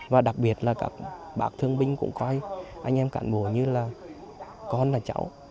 và đặc biệt là các bác thương binh cũng coi anh em cán bộ như là con là cháu